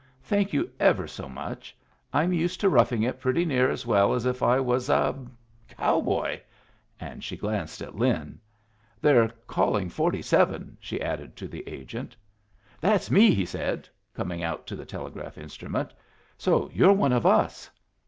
Thank you ever so much. I'm used to roughing it pretty near as well as if I was a cowboy!" And she glanced at Lin. "They're calling forty seven," she added to the agent. "That's me," he said, coming out to the telegraph instrument. "So you're one of us?"